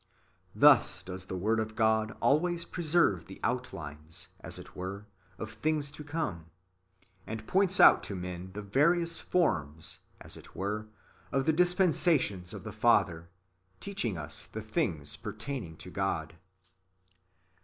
Thus does the Word of God always preserve the outlines, as it were, of things to come, and points out to men the various forms (species) J as it were, of the dispensations of the Father, teaching us the things pertaining to God.